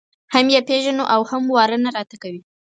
هم یې پېژنو او هم واره نه راته کوي.